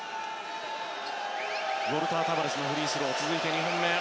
ウォルター・タバレスのフリースロー、続いて２本目。